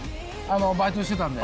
バイトしてたんで。